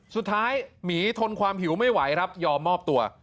หมีทนความหิวไม่ไหวครับยอมมอบตัว